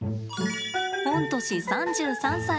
御年３３歳。